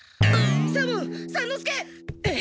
左門三之助！